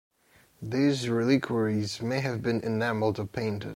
These reliquaries may have been enameled or painted.